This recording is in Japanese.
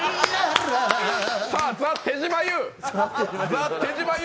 ザ・手島優。